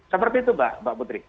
seperti itu mbak putri